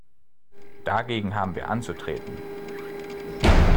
Dagegen haben wir anzutreten!